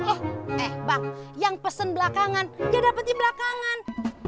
eh bang yang pesen belakangan dia dapet di belakangan